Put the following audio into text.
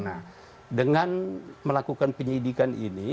nah dengan melakukan penyidikan ini